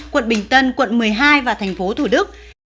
quận bình tân quận một mươi hai và thành phố thủ đức